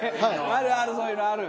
あるあるそういうのある！